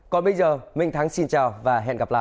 còn bây giờ minh thắng xin chào và hẹn gặp lại